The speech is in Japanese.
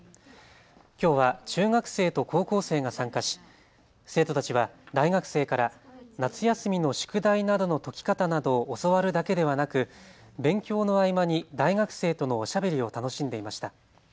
きょうは中学生と高校生が参加し生徒たちは大学生から夏休みの宿題などの解き方などを教わるだけではなく勉強の合間に大学生とのおしゃべりを楽しんでいました。